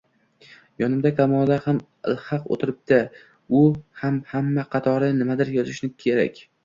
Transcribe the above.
Yonimda Kamola ham ilhaq o`tiribdi u ham hamma qatori nimadir yozishi kerak